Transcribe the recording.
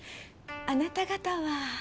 あなた方は？